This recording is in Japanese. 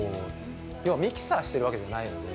要はミキサーしてるわけじゃないので。